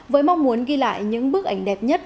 với mong muốn ghi lại những bức ảnh đẹp nhất